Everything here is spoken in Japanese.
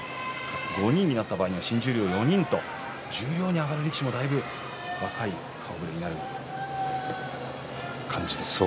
５人になった場合新十両が４人と十両に上がる力士もだいぶ若い顔ぶれになる感じですね。